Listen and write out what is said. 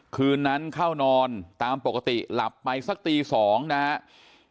คืนนั้นเข้านอนตามปกติหลับไปสักตี๒นะครับ